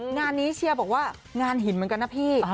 งานนี้เชียร์บอกว่างานหินเหมือนกันนะพี่